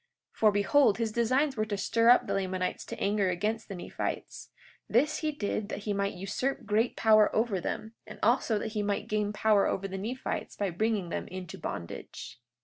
43:8 For behold, his designs were to stir up the Lamanites to anger against the Nephites; this he did that he might usurp great power over them, and also that he might gain power over the Nephites by bringing them into bondage.